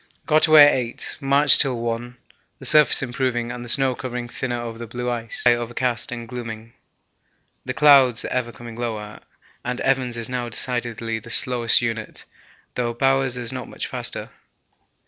Got away at 8; marched till 1; the surface improving and snow covering thinner over the blue ice, but the sky overcast and glooming, the clouds ever coming lower, and Evans' is now decidedly the slowest unit, though Bowers' is not much faster.